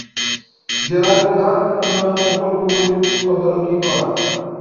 জেলার প্রধান উন্নয়ন প্রকল্পগুলির তদারকি করা।